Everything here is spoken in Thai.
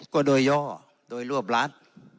ก็โดยย่อโดยรวบรัฐ